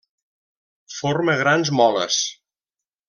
Forma grans moles.